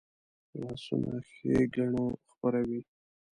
لاسونه ښېګڼه خپروي